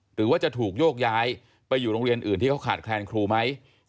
หรือว่าจะถูกโยกย้ายไปอยู่โรงเรียนอื่นที่เขาขาดแคลนครูไหม